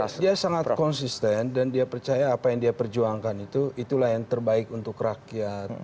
dia sangat konsisten dan dia percaya apa yang dia perjuangkan itu itulah yang terbaik untuk rakyat